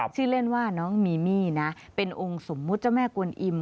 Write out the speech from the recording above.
ชื่อเล่นว่าน้องมีมี่นะเป็นองค์สมมุติเจ้าแม่กวนอิม